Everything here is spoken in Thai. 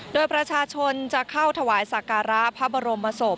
โดยประชาชนจะเข้าถวายสักการะพระบรมศพ